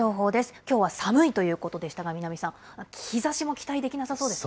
きょうは寒いということでしたが、南さん、日ざしも期待できなさそうですか。